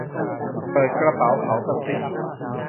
เปิดกระเป๋า ! เขากระซิบ